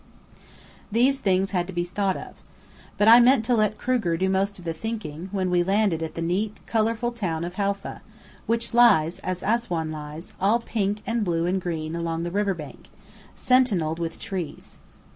These things had to be thought of. But I meant to let Kruger do most of the thinking, when we landed at the neat, colourful town of Halfa, which lies (as Assuan lies) all pink and blue and green along the river bank, sentinelled with trees.